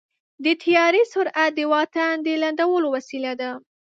د طیارې سرعت د واټن د لنډولو وسیله ده.